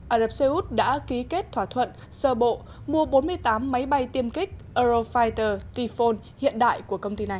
ả rập xê út đã ký kết thỏa thuận sơ bộ mua bốn mươi tám máy bay tiêm kích eurofiger kiphone hiện đại của công ty này